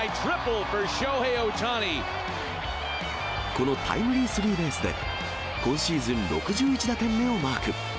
このタイムリースリーベースで、今シーズン６１打点目をマーク。